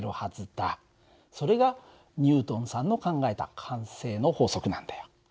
それがニュートンさんの考えた慣性の法則なんだよ。